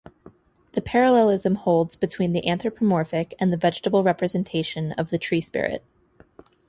The parallelism holds between the anthropomorphic and the vegetable representation of the tree-spirit.